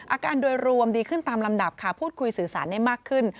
อาการโดยรวมดีขึ้นตามลำดับค่ะพูดคุยสื่อสารได้มากขึ้น